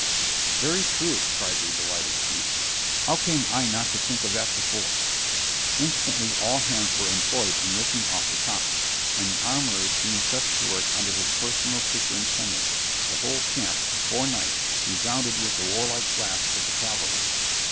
"Very true," cried the delighted chief, "how came I not to think of that before?" Instantly all hands were employed in ripping off the copper, and the armourers being set to work under his personal superintendence, the whole camp, before night, resounded with the warlike blasts of the cavalry.